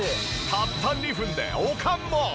たった２分でおかんも！